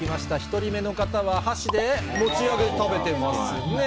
１人目の方は箸で持ち上げて食べてますね。